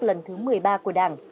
lần thứ một mươi ba của đảng